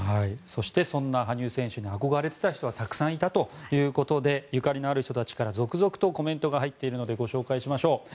そしてそんな羽生選手に憧れていた人はたくさんいたということでゆかりのある人たちから続々とコメントが入っているのでご紹介しましょう。